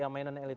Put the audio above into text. mainan elit ya